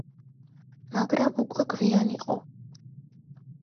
მაგრამ უკვე გვიან ოყო.